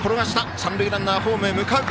三塁ランナー、ホームへ向かう。